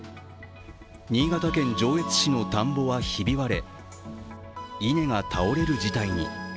新潟県上越市の田んぼはひび割れ、稲が倒れる事態に。